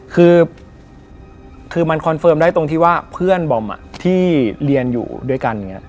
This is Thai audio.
คือคือมันคอนเฟิร์มได้ตรงที่ว่าเพื่อนบอมที่เรียนอยู่ด้วยกันอย่างนี้